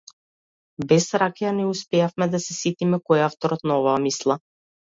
Без ракија не успеавме да се сетиме кој е авторот на оваа мисла.